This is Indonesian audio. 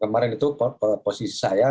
kemarin itu posisi saya